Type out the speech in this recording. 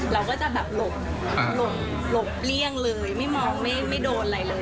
เราก็จะแบบหลบหลบเลี่ยงเลยไม่มองไม่โดนอะไรเลย